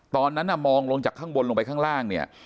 ตอนนั้นน่ะมองลงจากข้างบนลงไปข้างล่างเนี่ย